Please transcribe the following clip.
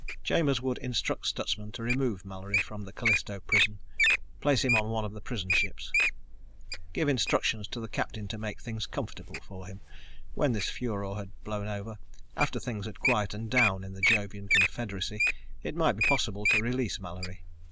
Chambers would instruct Stutsman to remove Mallory from the Callisto prison, place him on one of the prison ships. Give instructions to the captain to make things comfortable for him. When this furor had blown over, after things had quieted down in the Jovian confederacy, it might be possible to release Mallory.